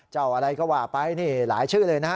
จะเอาอะไรก็ว่าไปหลายชื่อเลยนะฮะ